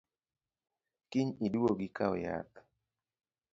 Kiny iduogi ikaw yath